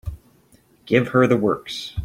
Give her the works.